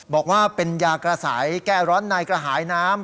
บอกว่าเป็นยากระใสแก้ร้อนในกระหายน้ำ